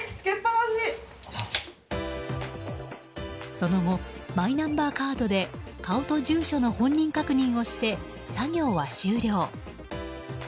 その後、マイナンバーカードで顔と住所の本人確認をして作業は終了。